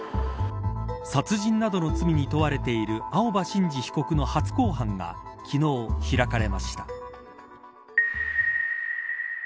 殺人などの罪に問われている青葉真司被告の初公判が昨日開かれました。